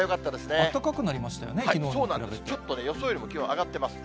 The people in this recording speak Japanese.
暖かくなりましたよね、ちょっとね、予想よりも気温上がっています。